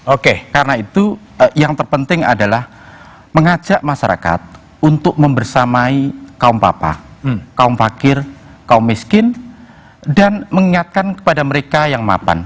oke karena itu yang terpenting adalah mengajak masyarakat untuk membersamai kaum papa kaum fakir kaum miskin dan mengingatkan kepada mereka yang mapan